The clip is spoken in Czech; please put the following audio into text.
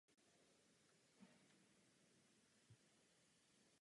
Lodyžní listy jsou celistvé.